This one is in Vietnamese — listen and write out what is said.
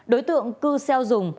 đối tượng cư seo dùng